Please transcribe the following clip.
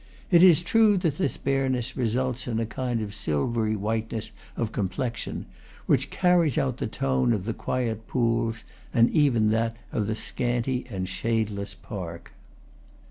It is true that this bareness results in a kind of silvery whiteness of complexion, which carries out the tone of the quiet pools and even that of the scanty and shadeless park.